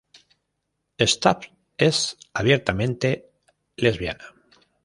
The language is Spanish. Stubbs es abiertamente lesbiana.